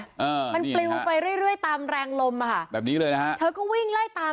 อ่ามันปลิวไปเรื่อยเรื่อยตามแรงลมอ่ะค่ะแบบนี้เลยนะฮะเธอก็วิ่งไล่ตาม